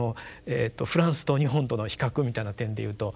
フランスと日本との比較みたいな点で言うと。